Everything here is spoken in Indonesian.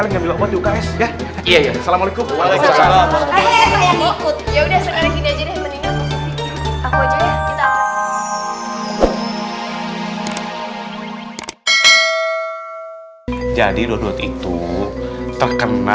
sampai jumpa di video selanjutnya